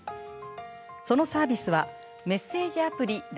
そのサービスはメッセージアプリ